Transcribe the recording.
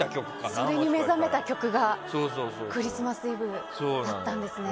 それに目覚めた曲が「クリスマス・イブ」だったんですね。